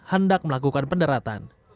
hendak melakukan pendaratan